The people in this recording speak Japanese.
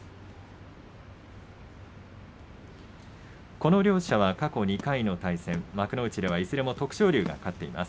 この両者は過去２回の対戦幕内ではいずれも徳勝龍が勝っています。